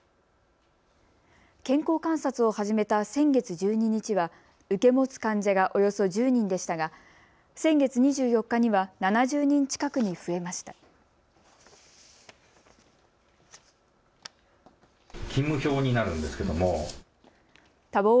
健康観察を始めた先月１２日は受け持つ患者がおよそ１０人でしたが先月２４日には７０人近くに増えました。